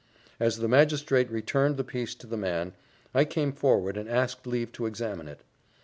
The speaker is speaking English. As the magistrate returned the piece to the man, I came forward and asked leave to examine it.